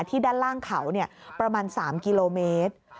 ด้านล่างเขาประมาณ๓กิโลเมตร